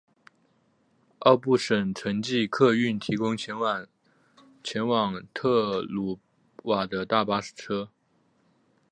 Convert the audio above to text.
奥布省城际客运提供前往特鲁瓦的大巴车。